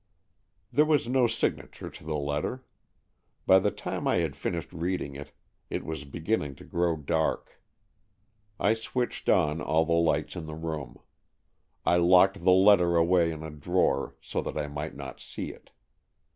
There was no signature to the letter. By the time that I had finished reading it, it was beginning to grow dark. I switched on AN EXCHANGE OF SOULS 167 all the lights in the room. I locked the letter away in a drawer, so that I might not see it.